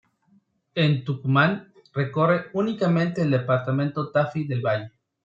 En Tucumán recorre únicamente el Departamento Tafí del Valle.